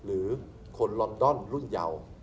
หรือคนลอนดอนรุ่นเยา